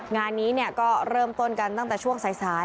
งานนี้ก็เริ่มต้นกันตั้งแต่ช่วงสาย